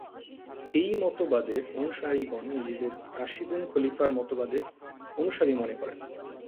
এই মতবাদের অনুসারীগণ নিজেদের রাশিদুন খলিফার মতবাদের অনুসারী বলে মনে করেন।